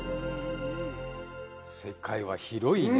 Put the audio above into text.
世界は広いね。